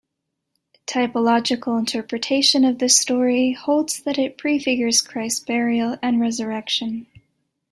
Typological interpretation of this story holds that it prefigures Christ's burial and resurrection.